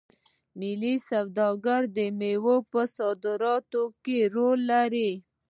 ملي سوداګر د میوو په صادراتو کې رول لري.